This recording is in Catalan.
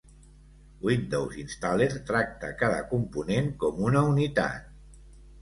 Windows Installer tracta cada component com una unitat.